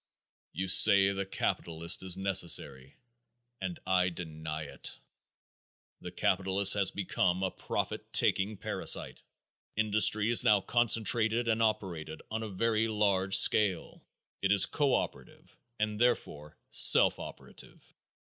You say the capitalist is necessary and I deny it. The capitalist has become a profit taking parasite. Industry is now concentrated and operated on a very large scale; it is co operative and therefore self operative.